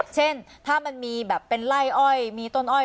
เช่นถ้ามันมีแบบเป็นไล่อ้อยมีต้นอ้อย